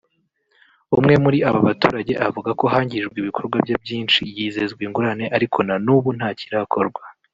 umwe muri aba baturage avuga ko hangijwe ibikorwa bye byinshi yizezwa ingurane ariko na n’ubu ngo ntakirakorwa